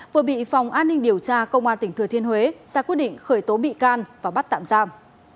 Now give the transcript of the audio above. vừa bị phòng an ninh điều tra công an tỉnh thừa thiên huế ra quyết định khởi tố bị can và bắt tạm giam